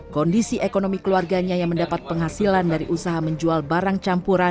kondisi ekonomi keluarganya yang mendapat penghasilan dari usaha menjualnya